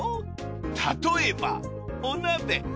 例えばお鍋。